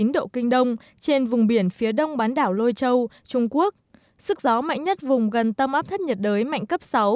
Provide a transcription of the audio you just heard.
một trăm một mươi chín độ kinh đông trên vùng biển phía đông bán đảo lôi châu trung quốc sức gió mạnh nhất vùng gần tầm áp thấp nhiệt đới mạnh cấp sáu